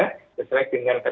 sesuai dengan keterjangkauan